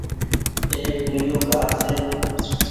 ايڪ ۮوجھو گآه ڇي۔